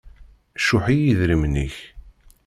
Cuḥ i yidrimen-ik.